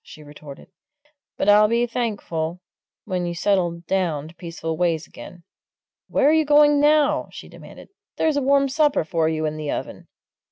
she retorted. "But I'll be thankful when you settle down to peaceful ways again. Where are you going now?" she demanded. "There's a warm supper for you in the oven!"